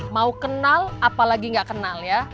mau kenal apalagi nggak kenal ya